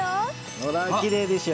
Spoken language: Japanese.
ほらきれいでしょ？